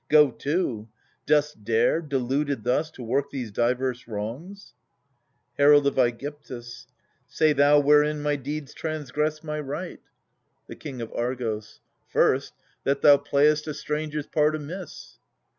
Go to ; dost dare, Deluded thus, to work these divers wrongs ? Herald of ^gyptus. Say thou wherein my deeds transgress my right. THE SUPPLIANT MAIDENS. 45 The King of Argos. First, that thou play'st a stranger's part amiss.